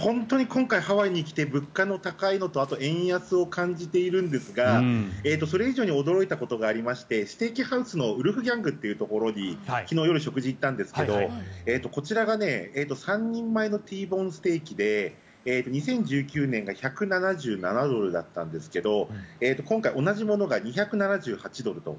本当に今回、ハワイに来て物価の高いのとあと円安を感じているんですがそれ以上に驚いたことがありましてステーキハウスのウルフギャングというところに昨日夜食事に行ったんですがこちらが３人前のＴボーンステーキで２０１９年が１７７ドルだったんですが今回同じものが２７８ドルと。